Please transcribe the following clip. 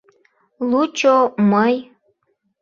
Лучо мый...